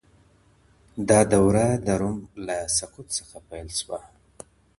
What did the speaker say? دا دوره د روم له سقوط څخه پيل سوه.